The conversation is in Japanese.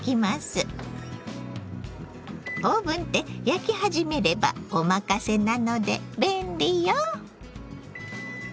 オーブンって焼き始めればお任せなので便利よ。